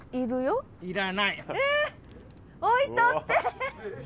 置いとって。